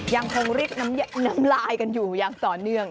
ยังคงรีดน้ำลายกันอยู่อย่างต่อเนื่อง